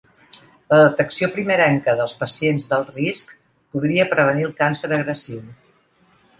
La detecció primerenca dels pacients d'alt risc podria prevenir el càncer agressiu.